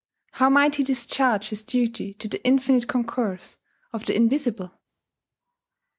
How might he discharge his duty to the infinite concourse of the invisible?